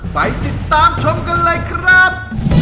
ไปติดตามชมกันเลยครับ